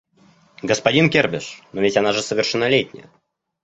Господин Кербеш, но ведь она же совершеннолетняя